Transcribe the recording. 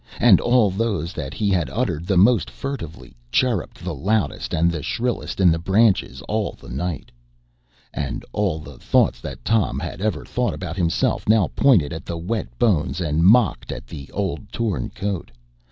And all those that he had uttered the most furtively, chirrupped the loudest and the shrillest in the branches all the night. And all the thoughts that Tom had ever thought about himself now pointed at the wet bones and mocked at the old torn coat.